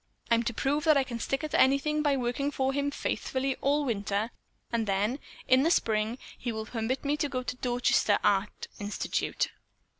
I'm to prove that I can stick at a thing by working for him faithfully all winter and then, in the spring, he will permit me to go to the Dorchester Art Institute.